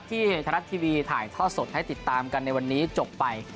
ไทยรัฐทีวีถ่ายทอดสดให้ติดตามกันในวันนี้จบไป